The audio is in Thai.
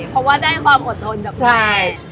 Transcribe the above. เพราะว่าได้ความอดทนจากใคร